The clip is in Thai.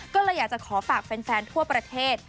ก็เลยอยากจะขอฝากแฟนทั่วประเทศ